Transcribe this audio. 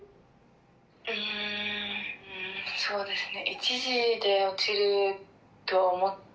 うんそうですね。